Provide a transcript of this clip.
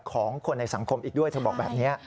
ของคนในสังคมอีกด้วยเธอบอกแบบนี้